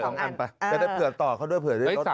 จะได้เผื่อต่อเข้าด้วยเผื่อด้วยลด